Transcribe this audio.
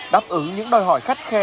đáp ứng những đòi hỏi khắt khe